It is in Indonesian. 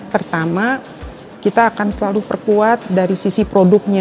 pertama kita akan selalu perkuat dari sisi produknya